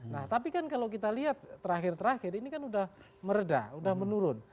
nah tapi kan kalau kita lihat terakhir terakhir ini kan sudah meredah sudah menurun